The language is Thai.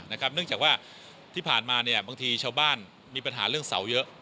เนื่องจากว่าที่ผ่านมาบางทีชาวบ้านมีปัญหาเรื่องเสาเยอะ